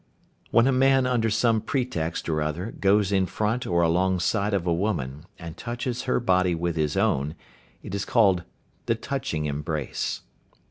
When a man under some pretext or other goes in front or alongside of a woman and touches her body with his own, it is called the "touching embrace."